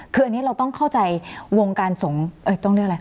คืออันนี้เราต้องเข้าใจวงการสงฆ์ต้องเรียกอะไร